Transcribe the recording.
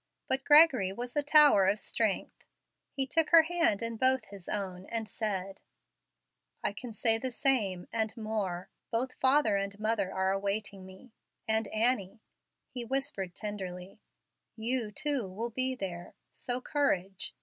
But Gregory was a tower of strength. He took her hand in both his own, and said, "I can say the same, and more. Both father and mother are awaiting me and, Annie," he whispered, tenderly, "you, too, will be there. So, courage!